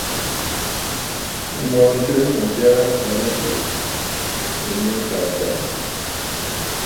M̀mɔ̀ɔ̀ŋtənnǔ jyaa à nɨ tsiʼǐ ɨnnǔ dàŋə̀ dàŋə̀.